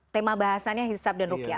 tema bahasannya hisab dan rukyat